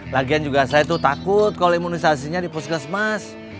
lagian juga saya itu takut kalau imunisasinya di puskesmas